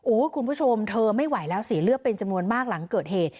คุณผู้ชมเธอไม่ไหวแล้วเสียเลือดเป็นจำนวนมากหลังเกิดเหตุ